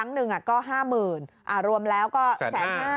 หนึ่งก็๕๐๐๐๐บาทรวมแล้วก็๑๐๕๐๐๐บาท